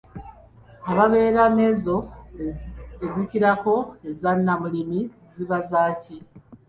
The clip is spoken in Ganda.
Ababeera n'ezo ezikirako eza Nnamulimi ziba zaaki ?